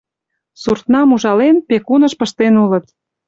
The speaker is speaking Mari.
Суртнам, ужален, «пекуныш» пыштен улыт.